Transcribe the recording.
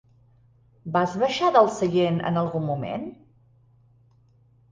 Vas baixar del seient en algun moment?